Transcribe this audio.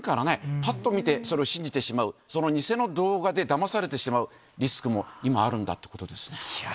ぱっと見て、それを信じてしまう、その偽の動画でだまされてしまうリスクも今、あるんだということですね。